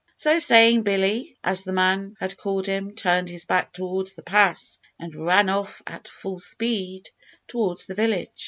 So saying, Billy, as the man had called him, turned his back towards the pass, and ran off at full speed towards the village.